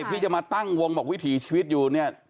ที่จะมาตั้งวงบอกวิถีชีวิตอยู่เนี่ย